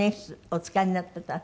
お使いになってた。